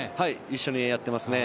一緒にやっていますね。